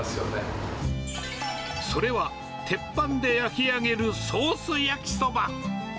それは、鉄板で焼き上げるソース焼きそば。